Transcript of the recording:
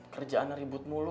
kerjaan ribut mulu